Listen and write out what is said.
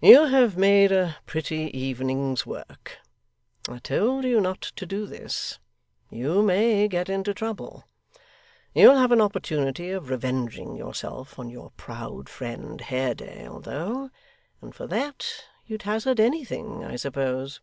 'You have made a pretty evening's work. I told you not to do this. You may get into trouble. You'll have an opportunity of revenging yourself on your proud friend Haredale, though, and for that, you'd hazard anything, I suppose?